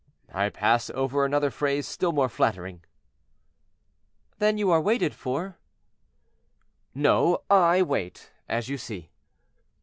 I pass over another phrase still more flattering." "Then you are waited for?" "No; I wait, as you see."